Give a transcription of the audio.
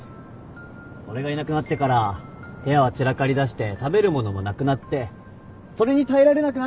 俺がいなくなってから部屋は散らかりだして食べる物もなくなってそれに耐えられなくなったから。